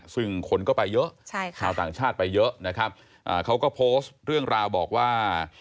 ซึ่งคนก็ไปเยอะชาวต่างชาติไปเยอะนะครับเขาก็โพสต์เรื่องราวบอกว่า